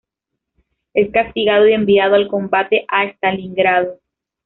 Es castigado y enviado al combate a Stalingrado.